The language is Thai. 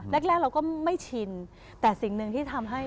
แรกเราก็ไม่ชินแต่สิ่งหนึ่งที่ทำให้